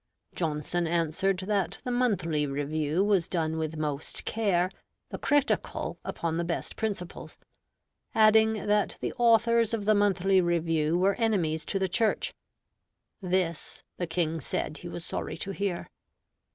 Johnson answered that the Monthly Review was done with most care, the Critical upon the best principles; adding that the authors of the Monthly Review were enemies to the Church. This the King said he was sorry to hear.